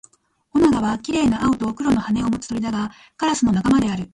オナガは綺麗な青と黒の羽を持つ鳥だが、カラスの仲間である